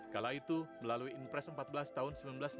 kala itu melalui impres empat belas tahun seribu sembilan ratus enam puluh